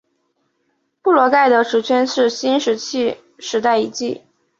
布罗德盖石圈是新石器时代遗迹。